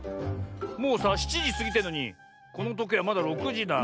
もうさ７じすぎてんのにこのとけいまだ６じだ。